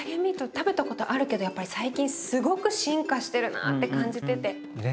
食べたことあるけどやっぱり最近すごく進化してるなって感じてて。ね。